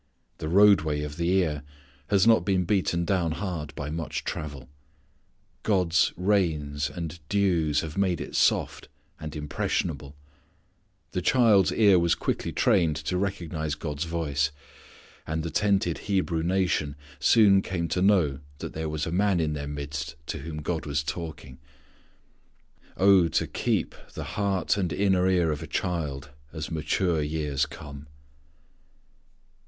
The roadway of the ear has not been beaten down hard by much travel. God's rains and dews have made it soft, and impressionable. This child's ear was quickly trained to recognize God's voice. And the tented Hebrew nation soon came to know that there was a man in their midst to whom God was talking. O, to keep the heart and inner ear of a child as mature years come!